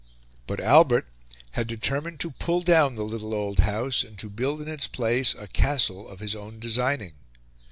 But Albert had determined to pull down the little old house, and to build in its place a castle of his own designing.